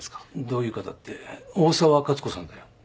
どういう方って大沢勝子さんだよ。